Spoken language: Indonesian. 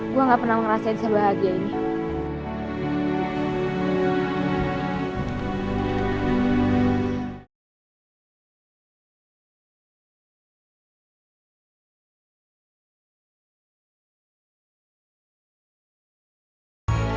gue gak pernah ngerasain sebahagia ini